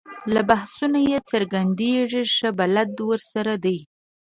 له بحثونو یې څرګندېږي ښه بلد ورسره دی.